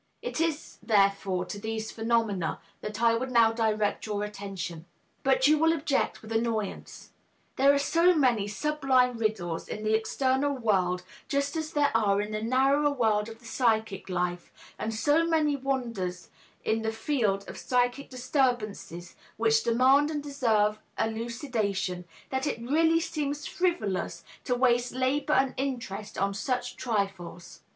It is, therefore, to these phenomena that I would now direct your attention. But you will object, with annoyance: "There are so many sublime riddles in the external world, just as there are in the narrower world of the psychic life, and so many wonders in the field of psychic disturbances which demand and deserve elucidation, that it really seems frivolous to waste labor and interest on such trifles.